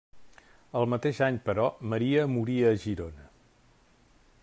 El mateix any, però, Maria morí a Girona.